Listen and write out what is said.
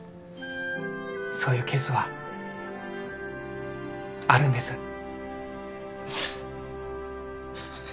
そういうケースはあるんです。